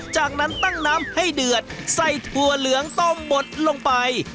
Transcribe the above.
จากนั้นตั้งน้ำให้เดือดใส่ถั่วเหลืองต้มบดลงไป